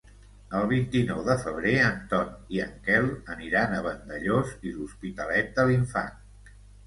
El vint-i-nou de febrer en Ton i en Quel aniran a Vandellòs i l'Hospitalet de l'Infant.